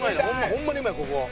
ホンマにうまいここ。